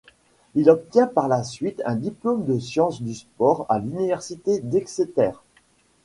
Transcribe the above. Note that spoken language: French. Il obtient par la suite un diplôme en sciences du sport à l'université d'Exeter.